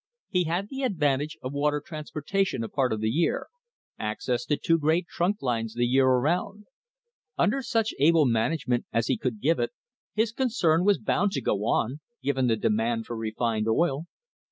He had the advantage of water transportation a part of the year, access to two great trunk lines the year around. Under such able management as he could give it his concern was bound to go on, given the demand for refined oil.